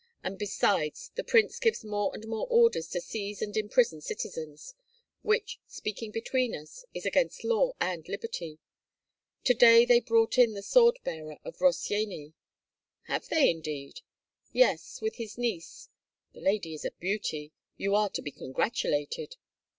And, besides, the prince gives more and more orders to seize and imprison citizens, which, speaking between us, is against law and liberty. To day they brought in the sword bearer of Rossyeni." "Have they indeed?" "Yes, with his niece. The lady is a beauty. You are to be congratulated!"